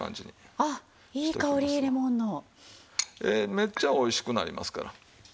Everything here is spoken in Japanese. めっちゃおいしくなりますから。